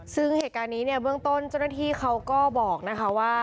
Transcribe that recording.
ซึ่งเหตุการณ์นี้เนี่ยเบื้องต้นเจ้าหน้าที่เขาก็บอกนะคะว่า